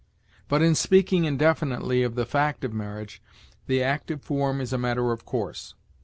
But, in speaking indefinitely of the fact of marriage, the active form is a matter of course.